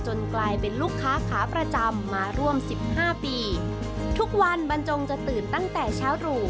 กลายเป็นลูกค้าขาประจำมาร่วมสิบห้าปีทุกวันบรรจงจะตื่นตั้งแต่เช้าหรู